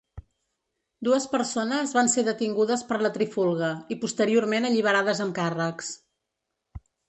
Dues persones van ser detingudes per la trifulga i posteriorment alliberades amb càrrecs.